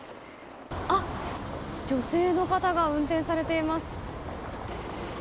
女性の方が運転されています。